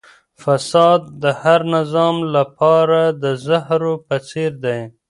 فساد د هر نظام لپاره د زهرو په څېر دی.